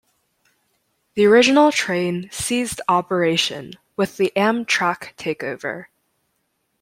The original train ceased operation with the Amtrak takeover.